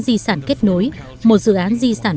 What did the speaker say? di sản kết nối một dự án di sản